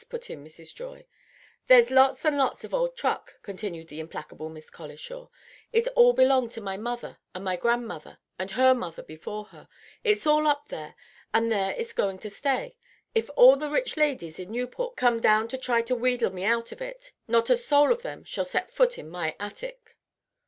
put in Mrs. Joy. "There's lots and lots of old truck," continued the implacable Miss Colishaw. "It all belonged to my mother and my grandmother and her mother before her. It's all up there; and there it's going to stay, if all the rich ladies in Newport come down to try to wheedle me out of it. Not a soul of them shall set foot in my attic."